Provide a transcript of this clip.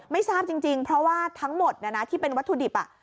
ไม่ทราบจริงเพราะว่าทั้งหมดที่เป็นวัตถุดิบ